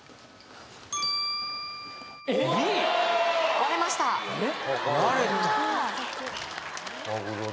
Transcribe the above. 割れましたえっ？